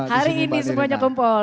hari ini semuanya kumpul